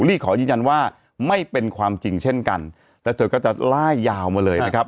ลี่ขอยืนยันว่าไม่เป็นความจริงเช่นกันแล้วเธอก็จะไล่ยาวมาเลยนะครับ